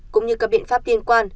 cũng như các biện pháp liên quan